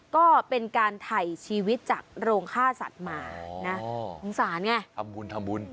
ก็เป็นการถ่ายชีวิตจากโรงฆ่าสัตว์มานะสงสารไงทำบุญทำบุญ